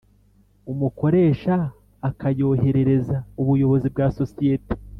Umukoresha akayoherereza ubuyobozi bwa sosiyete